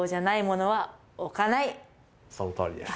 そのとおりです。